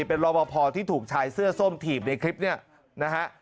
เป็นรอบพอที่ถูกชายเสื้อส้มถีบในคลิปเนี่ยนะฮะ